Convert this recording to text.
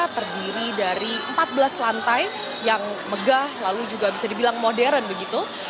terdiri dari empat belas lantai yang megah lalu juga bisa dibilang modern begitu